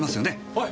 おい！